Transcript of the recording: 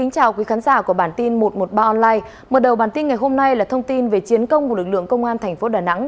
thông tin ngày hôm nay là thông tin về chiến công của lực lượng công an thành phố đà nẵng